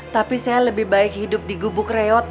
tapi saya lebih baik hidup di gubuk reot